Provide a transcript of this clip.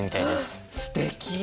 すてき。